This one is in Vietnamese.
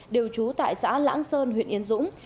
đều trú tại xã lãng sơn huyện yên dũng